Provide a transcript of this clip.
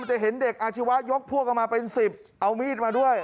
จะเห็นเด็กอาชีวะยกพวกกันมาเป็น๑๐เอามีดมาด้วย